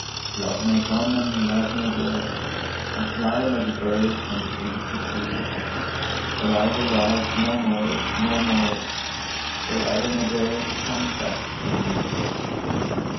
’ “Love may come, and love may go, And fly, like a bird, from tree to tree: But I will love no more, no more, Till Ellen Adair come back to me.